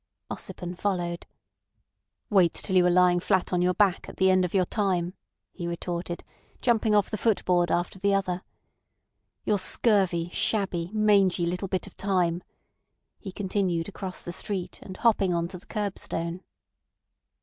Ossipon followed. "Wait till you are lying flat on your back at the end of your time," he retorted, jumping off the footboard after the other. "Your scurvy, shabby, mangy little bit of time," he continued across the street, and hopping on to the curbstone.